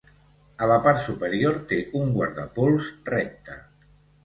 A la part superior té un guardapols recte.